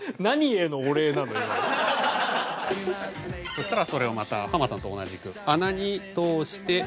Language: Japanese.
そしたらそれをまたハマさんと同じく穴に通して。